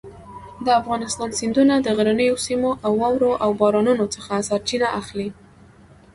د افغانستان سیندونه د غرنیو سیمو له واورو او بارانونو څخه سرچینه اخلي.